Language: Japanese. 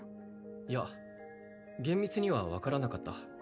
いや厳密には分からなかった